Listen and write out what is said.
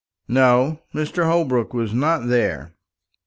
"No; Mr. Holbrook was not there."